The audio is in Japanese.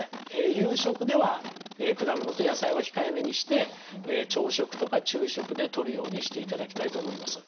夕食では果物と野菜は控えめにして朝食とか昼食でとるようにしていただきたいと思います。